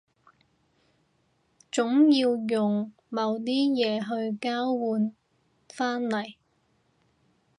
總要用某啲嘢去交換返嚟